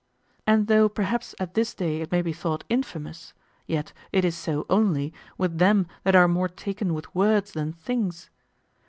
And though perhaps at this day it may be thought infamous, yet it is so only with them that are more taken with words than things.